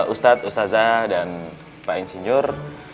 ustadz ustazah dan pak insinyur